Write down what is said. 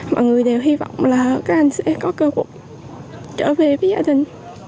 mọi người đều hy vọng là các anh sẽ có cơ hội trở về với gia đình